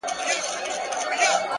شپه په خندا ده _ سهار حیران دی _